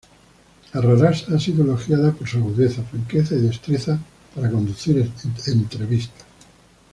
Arrarás ha sido elogiada por su agudeza, franqueza y destreza para conducir entrevistas.